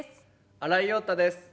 新井庸太です。